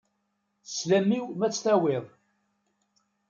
Slam-iw ma ad t-tawiḍ.